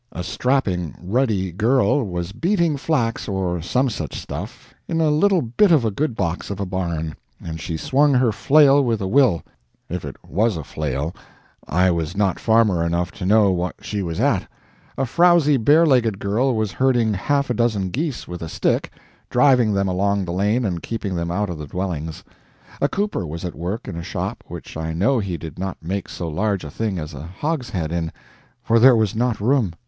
A strapping, ruddy girl was beating flax or some such stuff in a little bit of a good box of a barn, and she swung her flail with a will if it was a flail; I was not farmer enough to know what she was at; a frowsy, barelegged girl was herding half a dozen geese with a stick driving them along the lane and keeping them out of the dwellings; a cooper was at work in a shop which I know he did not make so large a thing as a hogshead in, for there was not room.